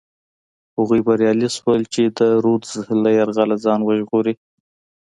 هغوی بریالي شول چې د رودز له یرغله ځان وژغوري.